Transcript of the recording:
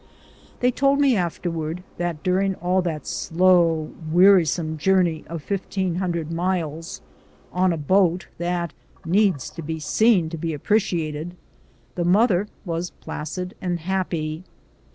They told me afterwards that during all that slow, wearisome journey of fifteen hundred miles, on a boat that needs be seen to be appreciated, the mother was placid and happy.